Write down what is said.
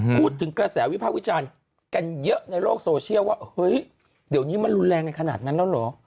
พูดถึงกระแสวิภาควิจารณ์กันเยอะในโลกโซเชียลว่าเฮ้ยเดี๋ยวนี้มันรุนแรงกันขนาดนั้นแล้วเหรอ